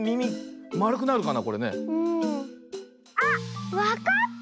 あっわかった！